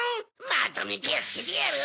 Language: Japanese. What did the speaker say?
まとめてやっつけてやる！